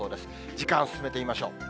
時間進めてみましょう。